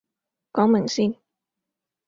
講明先